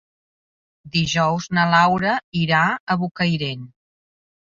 Dijous na Laura irà a Bocairent.